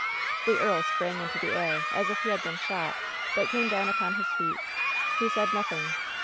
The earl sprang into the air as if he had been shot, but came down upon his feet. He said nothing.